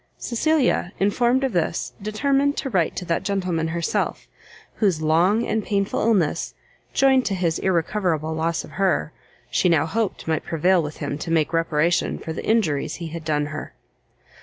Cecilia, informed of this, determined to write to that gentleman herself, whose long and painful illness, joined to his irrecoverable loss of her, she now hoped might prevail with him to make reparation for the injuries he had done her.